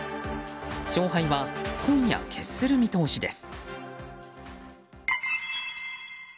勝敗は今夜決する見通しです。